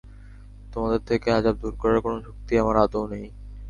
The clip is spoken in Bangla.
তোমাদের থেকে আযাব দূর করার কোন শক্তি আমার আদৌ নেই।